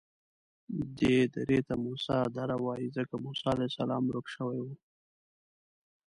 دې درې ته موسی دره وایي ځکه موسی علیه السلام ورک شوی و.